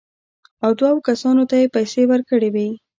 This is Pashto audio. او دوو کسانو ته یې پېسې ورکړې وې.